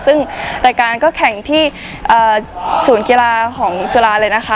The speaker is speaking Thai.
ซึ่งรายการก็แข่งที่ศูนย์กีฬาของจุฬาเลยนะคะ